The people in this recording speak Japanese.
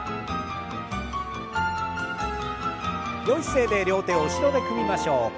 よい姿勢で両手を後ろで組みましょう。